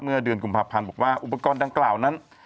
เมื่อเดือนกุมภาพันธ์บอกว่าอุปกรณ์ดังกล่าวนั้น